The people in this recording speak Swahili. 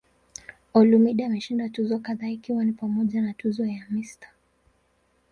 Olumide ameshinda tuzo kadhaa ikiwa ni pamoja na tuzo ya "Mr.